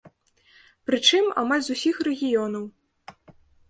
Прычым, амаль з усіх рэгіёнаў.